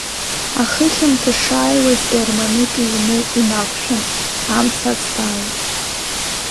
Ахы хьамҭа шааиуаз ерманык иҩны инақәшәан, амца ацралеит.